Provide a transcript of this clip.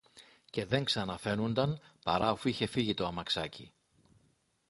και δεν ξαναφαίνουνταν παρά αφού είχε φύγει το αμαξάκι